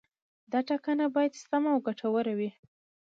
دا ټاکنه باید سمه او ګټوره وي.